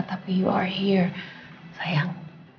tapi kamu ada di sini sayang